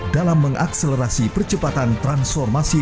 dalam mengakselerasi percepatan transformasi